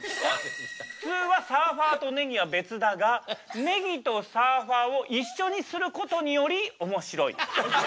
ふつうはサーファーとねぎは別だがねぎとサーファーを一緒にすることによりおもしろい。